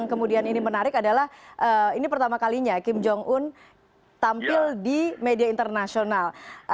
kemudian ini menarik adalah ini pertama kalinya kim jong un tampil di media internasional